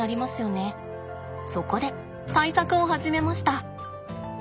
そこで対策を始めました。